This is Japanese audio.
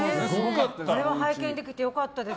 あれを拝見できてよかったです。